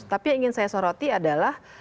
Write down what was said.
tapi yang ingin saya soroti adalah